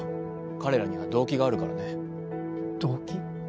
彼らには動機があるからね。動機？